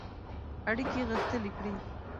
اړیکي غښتلي کړي.